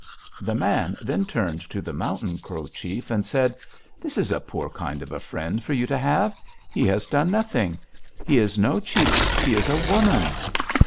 "The man then turned to the Mountain Crow chief and said: 'This is a poor kind of a friend for you to have! He has done nothing; he is no chief, he is a woman!'